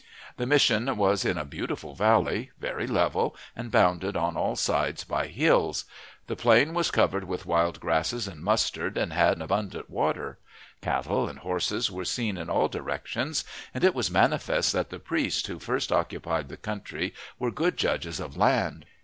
The Mission was in a beautiful valley, very level, and bounded on all sides by hills. The plain was covered with wild grasses and mustard, and had abundant water. Cattle and horses were seen in all directions, and it was manifest that the priests who first occupied the country were good judges of land.